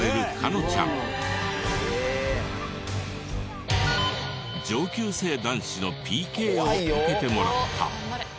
「えーっ」上級生男子のＰＫを受けてもらった。